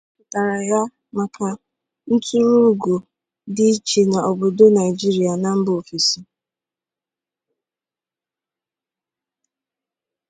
A hoputara ya maka nturu ugo di iche na obodo Naigiria na mba ofesi.